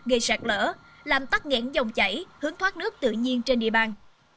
gây sạt lở làm tắt nghẹn dòng chảy hướng thoát nước tự nhiên trên địa bàn